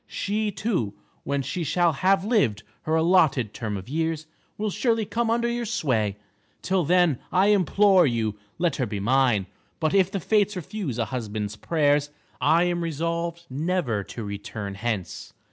She too, when she shall have lived her allotted term of years, will surely come under your sway. Till then, I implore you, let her be mine. But if the Fates refuse a husband's prayers, I am resolved never to return hence.